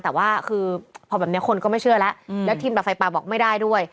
แต่ว่าคือพอแบบนี้คนก็ไม่เชื่อแล้วแล้วทีมดับไฟป่าบอกไม่ได้ด้วย